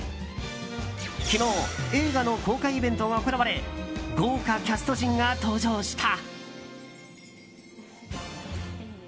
昨日、映画の公開イベントが行われ豪華キャスト陣が登場した。